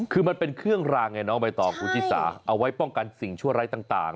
คือมันเป็นเครื่องรางไงน้องใบตองคุณชิสาเอาไว้ป้องกันสิ่งชั่วร้ายต่าง